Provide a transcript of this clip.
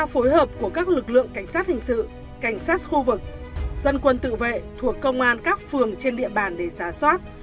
phối hợp của các lực lượng cảnh sát hình sự cảnh sát khu vực dân quân tự vệ thuộc công an các phường trên địa bàn để giả soát